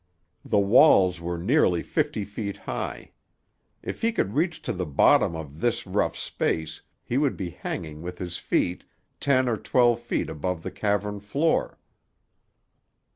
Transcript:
The walls were nearly fifty feet high. If he could reach to the bottom of this rough space he would be hanging with his feet, ten or twelve feet above the cavern floor.